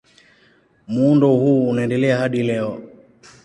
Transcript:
Muundo huu unaendelea hadi leo.